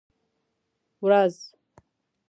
وزر.